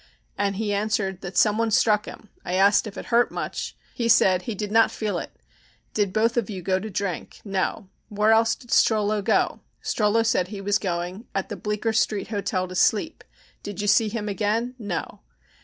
And he answered that some one struck him, I asked if it hurt much, he said he did not feel it, did both of you go to drink. No. Where else did Strollo go, Strollo said he was going at the Bleecker Street Hotel to sleep, did you see him again. No.